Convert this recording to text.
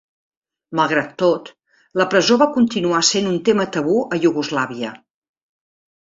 Malgrat tot, la presó va continuar sent un tema tabú a Iugoslàvia.